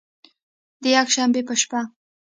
د یکشنبې په شپه